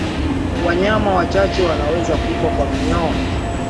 Wanyama wachache wanaweza kufa kwa minyoo